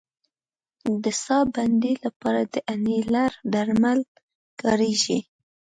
د ساه بندۍ لپاره د انیلر درمل کارېږي.